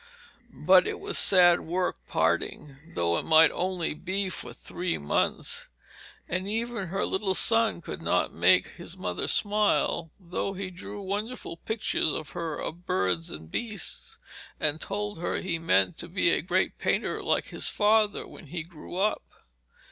But it was sad work parting, though it might only be for three months, and even her little son could not make his mother smile, though he drew wonderful pictures for her of birds and beasts, and told her he meant to be a great painter like his father when he grew up.